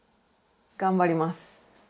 頑張ります。